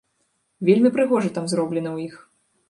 Вельмі прыгожа там зроблена ў іх.